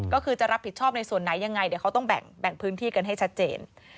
ก็คือจะรับผิดชอบในส่วนไหนยังไงเดี๋ยวเขาต้องแบ่งพื้นที่กันให้ชัดเจน